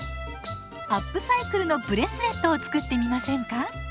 アップサイクルのブレスレットを作ってみませんか？